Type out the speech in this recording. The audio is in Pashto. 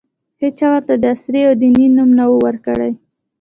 هېچا ورته د عصري او دیني نوم نه ؤ ورکړی.